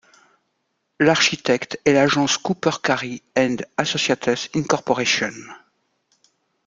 L'architecte est l'agence Cooper Carry & Associates Inc.